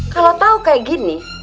kalau tau kayak gini